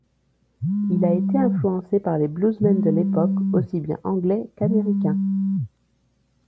Il a été influencé par les bluesmen de l'époque aussi bien anglais qu'américains.